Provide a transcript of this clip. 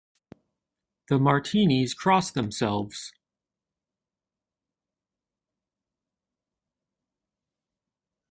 The Martinis cross themselves.